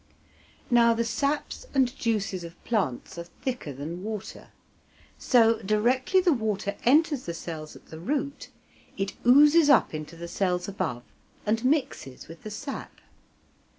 Now, the saps and juices of plants are thicker than water, so, directly the water enters the cells at the root it oozes up into the cells above, and mixes with the sap.